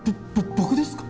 僕ですか？